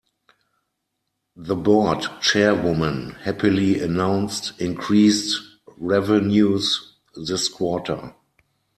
The board chairwoman happily announced increased revenues this quarter.